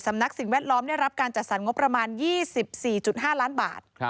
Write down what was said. สำนักสิ่งแวดล้อมได้รับการจัดสรรงบประมาณ๒๔๕ล้านบาท